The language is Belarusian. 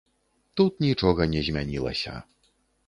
Тут нічога не змянілася.